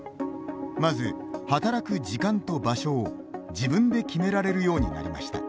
まず働く時間と場所を自分で決められるようになりました。